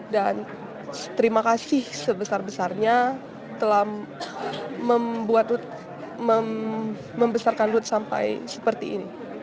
dan terima kasih sebesar besarnya telah membesarkan ruth sampai seperti ini